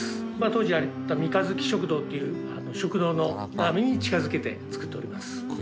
当時あった三日月食堂っていう食堂のラーメンに近づけて作っております。